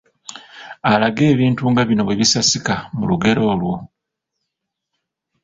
Alage ebintu nga bino bwe bisasika mu lugero olwo